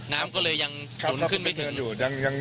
น้ำก็เลยยังสูงขึ้นไม่ถึง